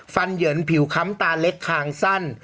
เหยินผิวค้ำตาเล็กคางสั้น